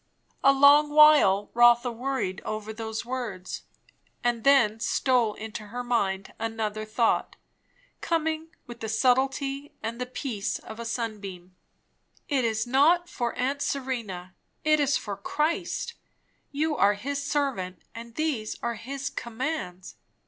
A long while Rotha worried over those words; and then stole into her mind another thought, coming with the subtlety and the peace of a sunbeam. It is not for aunt Serena; it is for Christ; you are his servant, and these are his commands.